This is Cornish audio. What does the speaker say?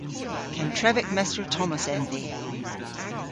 Kentrevek Mester Tomos en vy.